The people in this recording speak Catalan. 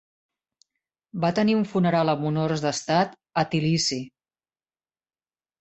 Va tenir un funeral amb honors d'estat a Tbilisi.